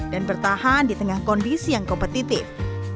dan bertahan di tengah kondisi yang kompetitif